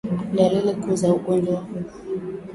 Dalili kuu za ugonjwa huu